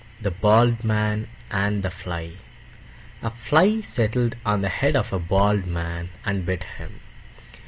THE BALD MAN AND THE FLY A Fly settled on the head of a Bald Man and bit him.